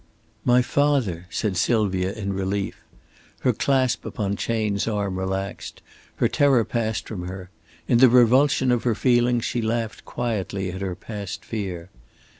"My father," said Sylvia, in relief. Her clasp upon Chayne's arm relaxed; her terror passed from her. In the revulsion of her feelings she laughed quietly at her past fear.